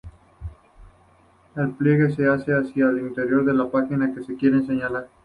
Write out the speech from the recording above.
El pliegue se hace hacia el interior de la página que se quiere señalar.